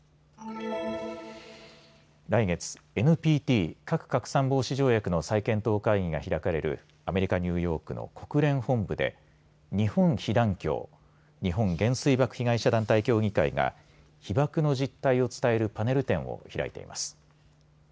来月、ＮＰＴ・核拡散防止条約の再検討会議が開かれるアメリカ・ニューヨークの国連本部で日本被団協・日本原水爆被害者団体協議会が被爆の実態を伝えるパネル展を開いています。